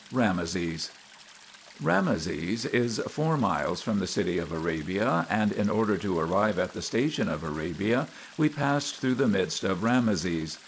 RAMESES Rameses is four miles from the city of Arabia, and in order to arrive at the station of Arabia, we passed through the midst of Rameses.